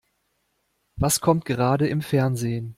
Was kommt gerade im Fernsehen?